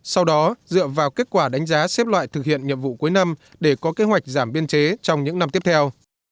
sau đó dựa vào kết quả đánh giá xếp loại thực hiện nhiệm vụ cuối năm để có kế hoạch giảm biên chế trong những năm tiếp theo